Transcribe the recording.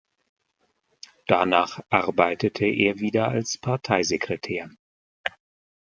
Danach arbeitete er wieder als Parteisekretär.